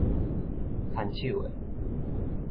牽手的